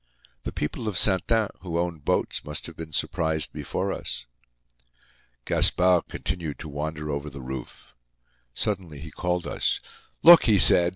The people of Saintin, who owned boats, must have been surprised before us. Gaspard continued to wander over the Roof. Suddenly he called us. "Look!" he said.